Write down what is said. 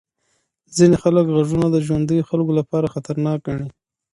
ځینې خلک غږونه د ژوندیو خلکو لپاره خطرناک ګڼي.